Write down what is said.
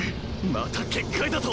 また結界だと？